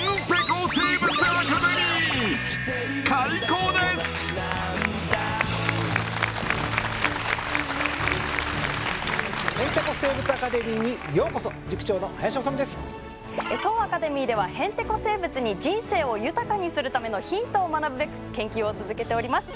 当アカデミーではへんてこ生物に人生を豊かにするためのヒントを学ぶべく研究を続けております。